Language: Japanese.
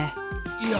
いや！